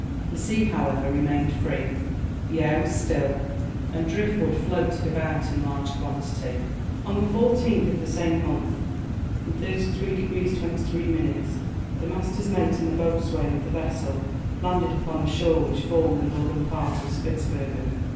The sea, however, remained free, the air was still, and drift wood floated about in large quantity. On the 14th of the same month, in 33 degrees 23 minutes, the master's mate and the boatswain of the vessel landed upon a shore which formed the northern part of Spitzbergen.